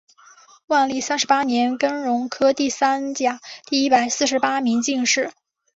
万历三十八年庚戌科第三甲第一百四十八名进士。